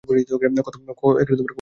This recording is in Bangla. কথা বল, কুট্টি।